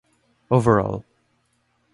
Overall.